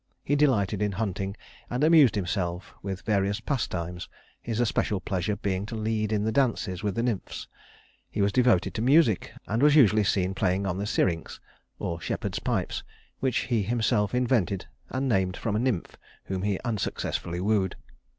He delighted in hunting, and amused himself with various pastimes his especial pleasure being to lead in the dances with the nymphs. He was devoted to music, and was usually seen playing on the syrinx, or shepherd's pipes, which he himself invented and named from a nymph whom he unsuccessfully wooed.